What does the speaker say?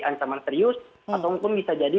ancaman serius ataupun bisa jadi